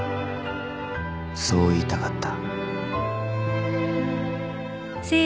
［そう言いたかった］